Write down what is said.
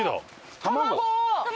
卵！